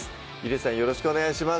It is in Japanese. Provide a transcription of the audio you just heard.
よろしくお願いします